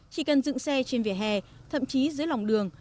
chỉ cần dựng xe trên vỉa hè thậm chí dưới lòng đường